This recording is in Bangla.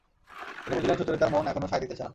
তিনি বুঝিলেন, সুচরিতার মন এখনো সায় দিতেছে না।